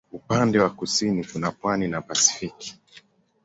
Upande wa kusini kuna pwani na Pasifiki.